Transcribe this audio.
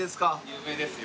有名ですよ。